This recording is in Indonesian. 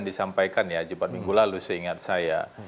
disampaikan ya jumat minggu lalu seingat saya